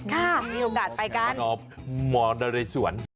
ค่ะมีโอกาสไปกัน